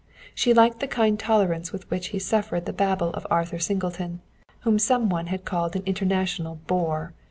She liked the kind tolerance with which he suffered the babble of Arthur Singleton, whom some one had called an international bore.